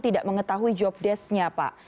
tidak mengetahui jobdesk nya pak